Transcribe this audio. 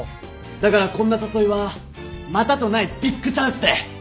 だからこんな誘いはまたとないビッグチャンスで。